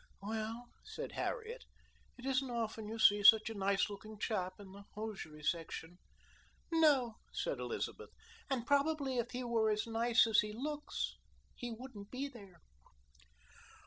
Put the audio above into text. "Well," said Harriet, "it isn't often you see such a nice looking chap in the hosiery section." "No," said Elizabeth, "and probably if he were as nice as he looks he wouldn't be there."